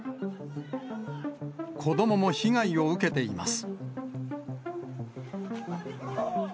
子どもも被害を受けています。